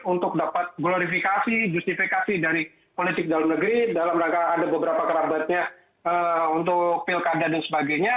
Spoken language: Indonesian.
untuk dapat glorifikasi justifikasi dari politik dalam negeri dalam rangka ada beberapa kerabatnya untuk pilkada dan sebagainya